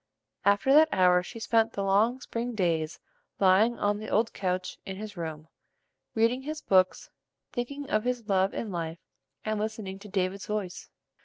After that hour she spent the long spring days lying on the old couch in his room, reading his books, thinking of his love and life, and listening to "David's voice."